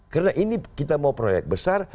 karena ini kita mau proyek besar